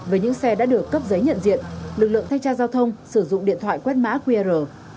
với những xe đã được cấp giấy nhận diện lực lượng thanh tra giao thông sử dụng điện thoại quét mã qr